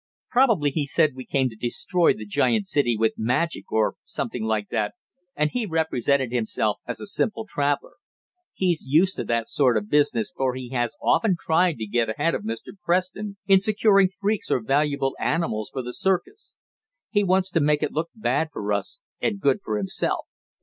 Probably he said we came to destroy the giant city with magic, or something like that, and he represented himself as a simple traveler. He's used to that sort of business, for he has often tried to get ahead of Mr. Preston in securing freaks or valuable animals for the circus. He wants to make it look bad for us, and good for himself.